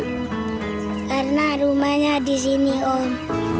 karena rumahnya di sini om